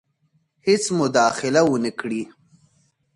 هیڅ مداخله ونه کړي.